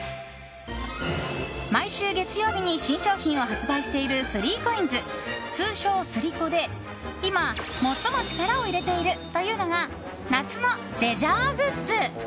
毎週月曜日に新商品を発売しているスリーコインズ、通称スリコで今、最も力を入れているというのが夏のレジャーグッズ！